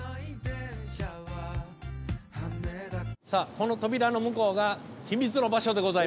この扉の向こうが秘密の場所でございます。